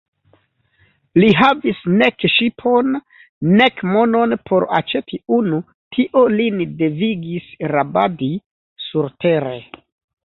Li havis nek ŝipon, nek monon por aĉeti unu; tio lin devigis rabadi surtere.